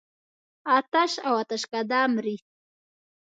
آتش او آتشکده مري.